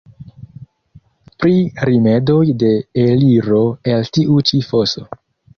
Pri rimedoj de eliro el tiu ĉi foso?